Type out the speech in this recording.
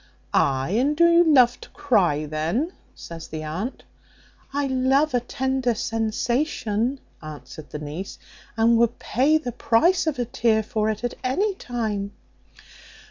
"Ay, and do you love to cry then?" says the aunt. "I love a tender sensation," answered the niece, "and would pay the price of a tear for it at any time."